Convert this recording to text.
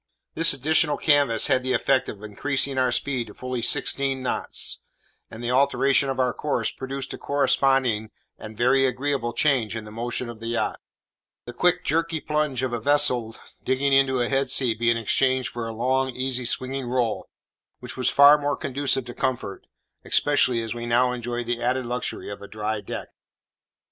This additional canvas had the effect of increasing our speed to fully sixteen knots; and the alteration of our course produced a corresponding and very agreeable change in the motion of the yacht; the quick jerky plunge of a vessel digging into a head sea being exchanged for a long easy swinging roll, which was far more conducive to comfort, especially as we now enjoyed the added luxury of a dry deck.